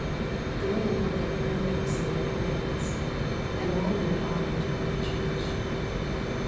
The women held their prayer books in their hands and wandered on towards the church.